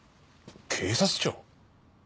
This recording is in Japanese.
警察庁？